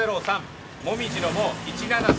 もみじの「も」